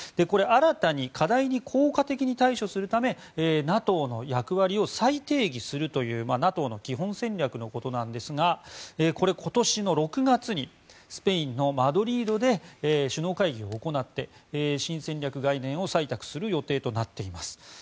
これ、新たに課題に効果的に対処するためＮＡＴＯの役割を再定義するというＮＡＴＯの基本戦略のことなんですがこれ、今年の６月にスペインのマドリードで首脳会議を行って、新戦略概念を採択する予定となっています。